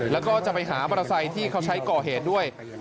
แล้วก็จะไปหาประสัยที่เขาใช้ก่อเหตุด้วย